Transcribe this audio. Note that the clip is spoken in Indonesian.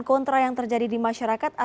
kontra yang terjadi di masyarakat